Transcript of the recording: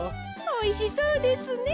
おいしそうですね。